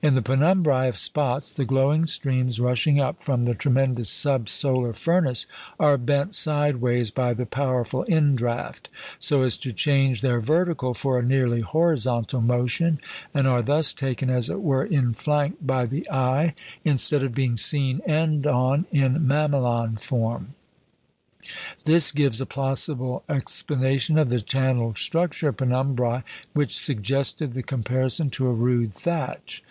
In the penumbræ of spots, the glowing streams rushing up from the tremendous sub solar furnace are bent sideways by the powerful indraught, so as to change their vertical for a nearly horizontal motion, and are thus taken, as it were, in flank by the eye, instead of being seen end on in mamelon form. This gives a plausible explanation of the channelled structure of penumbræ which suggested the comparison to a rude thatch.